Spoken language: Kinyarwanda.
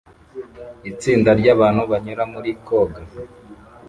Itsinda ryabantu banyura muri koga